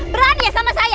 berani ya sama saya